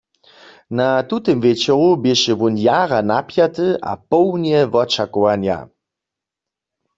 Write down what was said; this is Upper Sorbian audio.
Na tutym wječoru běše wón jara napjaty a połnje wočakowanja.